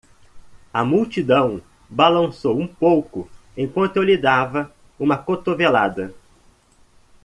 A multidão balançou um pouco enquanto eu lhe dava uma cotovelada.